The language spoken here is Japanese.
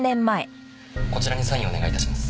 こちらにサインをお願い致します。